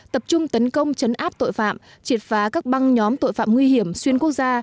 tập trung tấn công chấn áp tội phạm triệt phá các băng nhóm tội phạm nguy hiểm xuyên quốc gia